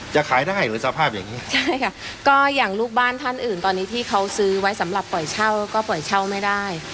จะขายได้หรือสภาพอย่างเงี้ยใช่ค่ะก็อย่างลูกบ้านท่านอื่นตอนนี้ที่เขาซื้อไว้สำหรับปล่อยเช่าก็ปล่อยเช่าไม่ได้